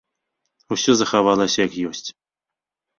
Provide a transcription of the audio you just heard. Усё захавалася як ёсць.